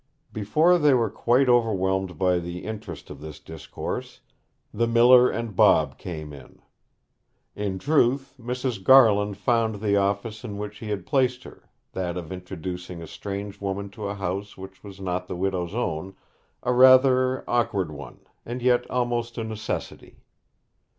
Before they were quite overwhelmed by the interest of this discourse, the miller and Bob came in. In truth, Mrs. Garland found the office in which he had placed her that of introducing a strange woman to a house which was not the widow's own a rather awkward one, and yet almost a necessity.